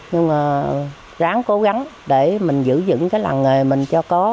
nhưng mà ráng cố gắng để mình giữ dựng cái làng nghề mình cho có